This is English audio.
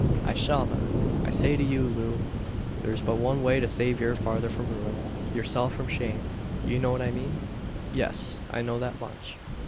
"I shall then. I say to you, Loo, there's but one way to save your father from ruin yourself from shame. You know what I mean?" "Yes; I know that much."